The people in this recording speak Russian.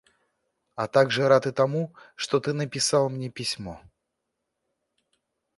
А также рад и тому, что ты написал мне письмо.